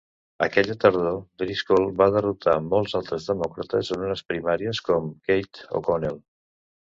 Aquella tardor, Driscoll va derrotar molts altres demòcrates en unes primàries, com Kate O'Connell.